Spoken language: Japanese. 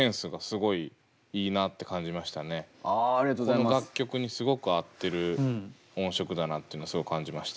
この楽曲にすごく合ってる音色だなっていうのはすごい感じました。